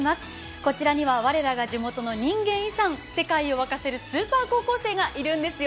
こちらには「我らが地元の人間遺産」、世界を沸かせるスーパー高校生がいるんですよ。